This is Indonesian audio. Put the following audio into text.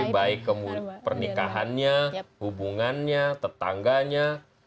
baik pernikahannya hubungannya tetangganya